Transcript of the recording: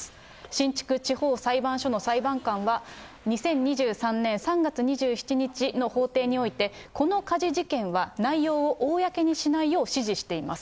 新竹地方裁判所の裁判官は、２０２３年３月２７日の法廷において、この家事事件は、内容を公にしないよう指示しています。